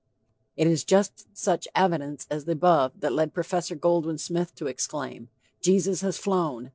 It is just such evidence as the above that led Prof. Goldwin Smith to exclaim: "Jesus has flown.